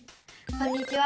こんにちは！